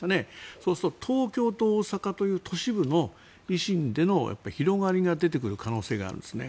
そうすると東京と大阪という都市部での維新の広がりが出てくる可能性があるんですね。